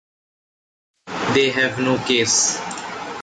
They have no case.